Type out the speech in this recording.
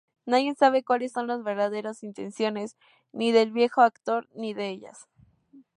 Nadie sabe cuáles son las verdaderas intenciones ni del viejo actor ni de ellas.